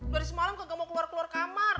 baru semalam gak mau keluar keluar kamar